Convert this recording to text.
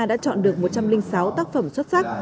đã chọn được một trăm linh sáu tác phẩm xuất sắc